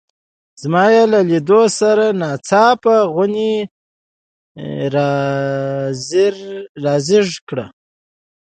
زما یې له لیدو سره ناڅاپه غونی را زېږ کړ.